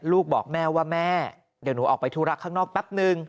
ลูกบอกแม่ว่าแม่เดี๋ยวหนูออกไปธุระข้างนอกแป๊บนึง